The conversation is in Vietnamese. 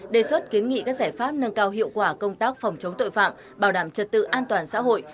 đề xuất kiến nghị các giải pháp nâng cao hiệu quả công tác phòng chống tội phạm bảo đảm trật tự an toàn xã hội